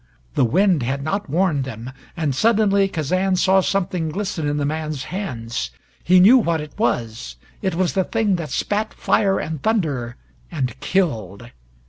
The wind had not warned them, and suddenly Kazan saw something glisten in the man's hands. He knew what it was. It was the thing that spat fire and thunder, and killed.